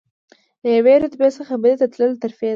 له یوې رتبې څخه بلې ته تلل ترفیع ده.